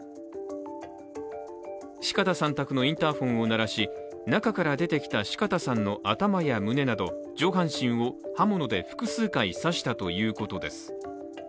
四方さん宅のインターホンを鳴らし、中から出てきた四方さんの頭や胸など上半身を刃物で複数回刺したということです。